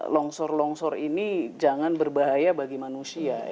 longshore longshore ini jangan berbahaya bagi manusia